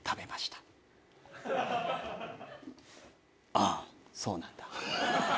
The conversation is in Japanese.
ああそうなんだ。